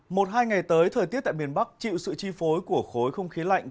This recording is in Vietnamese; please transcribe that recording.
một hai ngày tới thời tiết tại miền bắc chịu sự chi phối của khối không khí lạnh